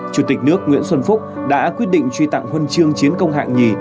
chủ tịch nước nguyễn xuân phúc đã quyết định truy tặng huân chương chiến công hạng nhì